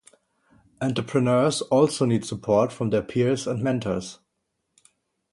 Entrepreneurs also need support from their peers and mentors.